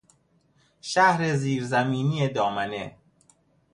شهر زیرزمینی دامنه